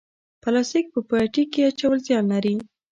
پلاستیک په پټي کې اچول زیان لري؟